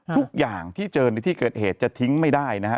ทุกอย่างที่เจอในที่เกิดเหตุจะทิ้งไม่ได้นะฮะ